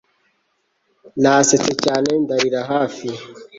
Nasetse cyane ndarira hafi